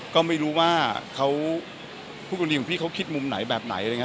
ก็ไม่รู้ว่าผู้กฎีของพี่เค้าคิดมุมไหนแบบไหน